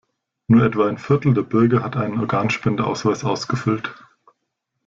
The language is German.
Nur etwa ein Viertel der Bürger hat einen Organspendeausweis ausgefüllt.